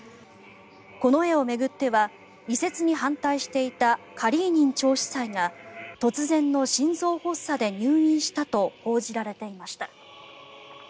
この絵を巡っては移設に反対していたカリーニン長司祭が突然の心臓発作で入院したと報じられていました。